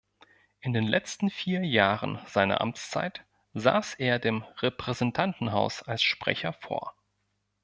In den letzten vier Jahren seiner Amtszeit saß er dem Repräsentantenhaus als Sprecher vor.